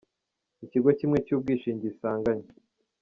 ikigo kimwe cy’ubwishingizi isanganywe.